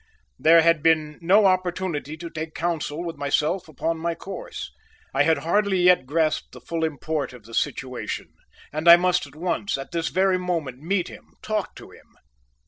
There had been no opportunity to take counsel with myself upon my course. I had hardly yet grasped the full import of the situation and I must at once at this very moment meet him talk to him.